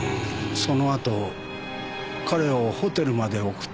そのあと彼をホテルまで送って。